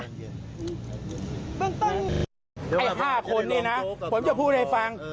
ไอ้๕คนนี้นะผมจะพูดให้ฟัง